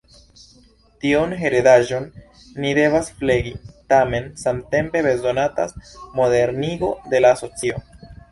Tiun heredaĵon ni devas flegi, tamen samtempe bezonatas modernigo de la asocio.